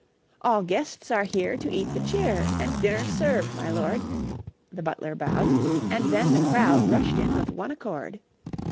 "All guests are here, To eat the cheer, And dinner's served, my Lord." The butler bowed; And then the crowd Rushed in with one accord.